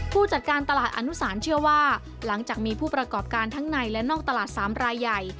ผู้จัดการตลาดอนุสารเชื่อว่าหลังจากมีผู้ประกอบการทั้งในและนอกตลาด๓รายใหญ่